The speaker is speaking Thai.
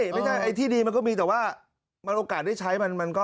ไม่ใช่ไอ้ที่ดีมันก็มีแต่ว่ามันโอกาสได้ใช้มันก็